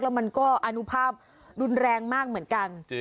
แล้วมันก็อนุภาพรุนแรงมากเหมือนกัน